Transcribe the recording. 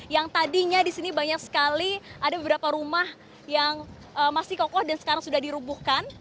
yang tadinya di sini banyak sekali ada beberapa rumah yang masih kokoh dan sekarang sudah dirubuhkan